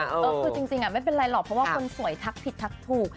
เออคือจริงไม่เป็นไรหรอกเพราะว่าคนสวยทักผิดทักถูก